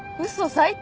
最低！